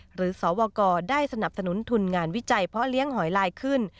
สวกได้สนับสนุนทุนงานวิจัยเพาะเลี้ยงหอยลายขึ้น